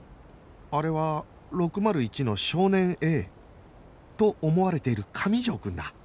あれは６０１の少年 Ａ と思われている上条くんだ